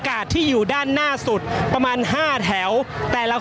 ก็น่าจะมีการเปิดทางให้รถพยาบาลเคลื่อนต่อไปนะครับ